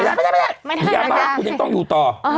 ไม่ได้ยาบ้าคุณยังต้องอยู่ต่อ